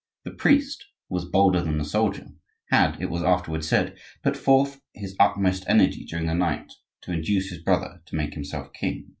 The priest, who was bolder than the soldier, had, it was afterward said, put forth his utmost energy during the night to induce his brother to make himself king.